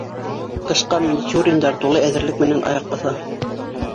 Ҡышҡа мичуриндар тулы әҙерлек менән аяҡ баҫа.